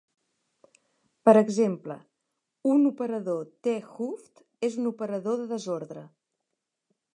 Per exemple, un operador 't Hooft és un operador de desordre.